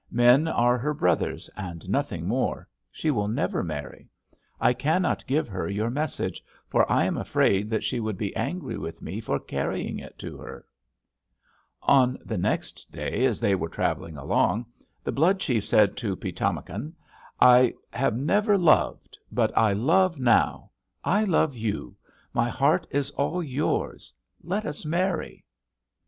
Men are her brothers, and nothing more. She will never marry. I cannot give her your message, for I am afraid that she would be angry with me for carrying it to her.' "On the next day, as they were traveling along, the Blood chief said to Pi´tamakan: 'I have never loved, but I love now. I love you; my heart is all yours; let us marry.'